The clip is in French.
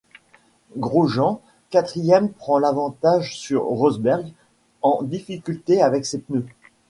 Grosjean, quatrième prend l'avantage sur Rosberg en difficulté avec ses pneus.